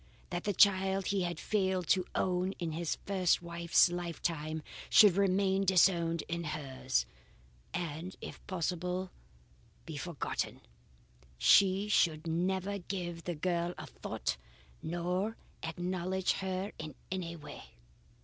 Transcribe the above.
That the child he had failed to own in his first wife's lifetime should remain disowned in hers, and if possible be forgotten. She should never give the girl a thought nor acknowledge her in any way.